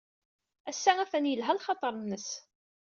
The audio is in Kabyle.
Ass-a, atan yelha lxaḍer-nnes.